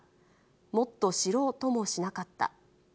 もっと知ろうともしなかった。